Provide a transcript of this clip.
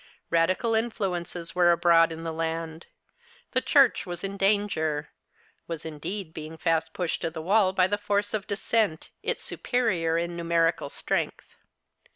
Radical influences were abroad in the land. The Church was in danger, was indeed being fast pushed to the wall by the force of Dissent, its superior in numerical strength.